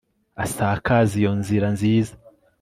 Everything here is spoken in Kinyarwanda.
asakaze iyo nzira nziza